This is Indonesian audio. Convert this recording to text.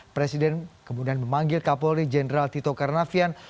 presiden kemudian memanggil kapolri jenderal tito karnavian